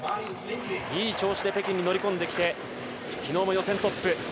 いい調子で北京に乗り込んできて昨日も予選トップ。